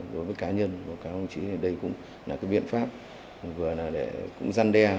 đối với cá nhân và cá công chí thì đây cũng là cái biện pháp vừa là để cũng răn đe